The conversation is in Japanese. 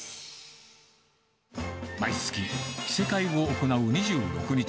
毎月、着せ替えを行う２６日。